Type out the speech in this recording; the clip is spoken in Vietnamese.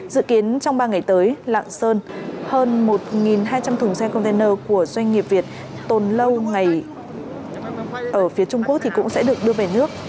dự kiến trong ba ngày tới lạng sơn hơn một hai trăm linh thùng xe container của doanh nghiệp việt tồn lâu ngày ở phía trung quốc cũng sẽ được đưa về nước